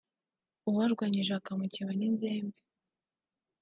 ubarwanyije bakamukeba n’inzembe